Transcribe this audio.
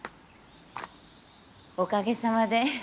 おかげさまで。